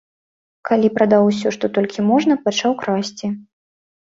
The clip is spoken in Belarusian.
Калі прадаў усё, што толькі можна, пачаў красці.